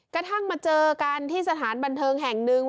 กระทั่งมาเจอกันที่สถานบันเทิงแห่งหนึ่ง